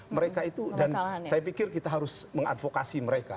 mereka itu dan saya pikir kita harus mengadvokasi mereka